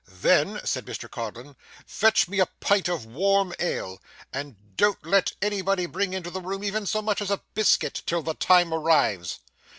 'Then,' said Mr Codlin, 'fetch me a pint of warm ale, and don't let nobody bring into the room even so much as a biscuit till the time arrives.